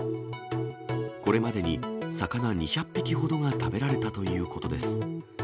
これまでに魚２００匹ほどが食べられたということです。